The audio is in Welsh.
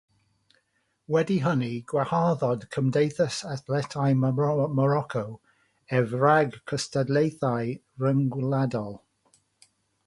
Wedi hynny, gwaharddodd Cymdeithas Athletau Moroco ef rhag cystadlaethau rhyngwladol.